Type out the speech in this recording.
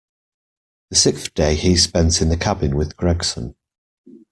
The sixth day he spent in the cabin with Gregson.